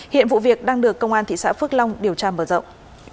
hiện vụ việc đang được công an thị xã phước long điều tra mở rộng